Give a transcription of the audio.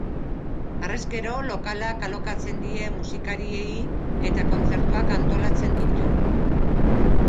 Harrez gero lokalak alokatzen die musikariei eta kontzertuak antolatzen ditu.